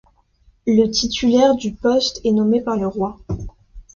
Le titulaire du poste est nommé par le Roi.